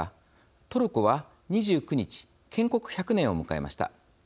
トルコは、２９日建国１００年を迎えました。